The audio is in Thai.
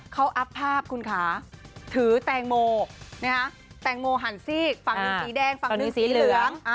เขาอัพภาพคุณคะถือแตงโมแตงโมหันซีกฝั่งหนึ่งสีแดงฝั่งหนึ่งสีเหลือง